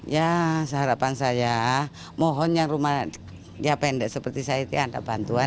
ya seharapan saya mohon yang rumahnya pendek seperti saya itu ada bantuan